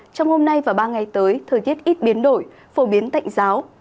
trong hôm nay và ba ngày tới thời tiết ít biến đổi phổ biến tạnh giáo